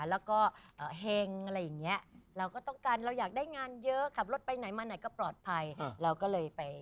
แล้วก็เห็งอะไรอย่างนี้เราก็ต้องการเราอยากได้งานเยอะขับรถไปไหนมาไหนก็ปลอดภัยเราก็เลยไป